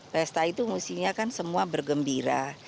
pesta itu mestinya kan semua bergembira